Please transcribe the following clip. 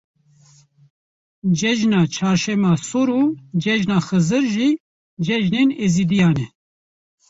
Cejina Çarşema Sor û Cejna Xizir jî cejnên êzîdiyan e.